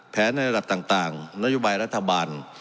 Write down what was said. ในระดับต่างนโยบายรัฐบาล